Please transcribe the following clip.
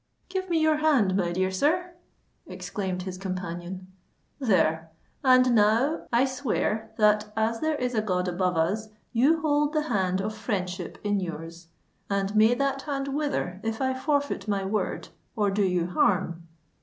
"Give me your hand, my dear sir," exclaimed his companion. "There! And now I swear that as there is a God above us, you hold the hand of friendship in your's; and may that hand wither if I forfeit my word, or do you harm."